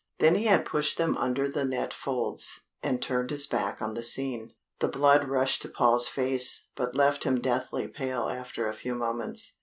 Then he had pushed them under the net folds, and turned his back on the scene. The blood rushed to Paul's face, but left him deathly pale after a few moments.